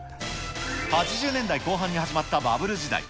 ８０年代後半に始まったバブル時代。